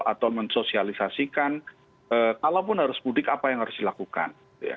atau mensosialisasikan kalaupun harus mudik apa yang harus dilakukan